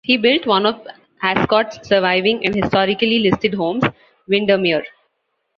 He built one of Ascot's surviving and historically listed homes, Windermere.